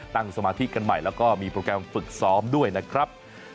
สมาธิกันใหม่แล้วก็มีโปรแกรมฝึกซ้อมด้วยนะครับ